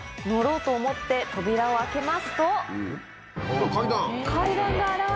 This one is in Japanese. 乗ろうと思って扉を開けますと。